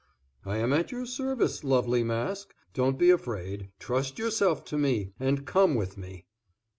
"I am at your service, lovely Mask. Don't be afraid; trust yourself to me, and come with me."